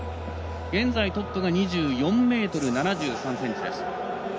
現在トップが２４ｍ７３ｃｍです。